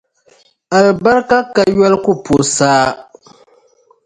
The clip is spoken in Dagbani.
Alibarika kayoli ku pooi saa.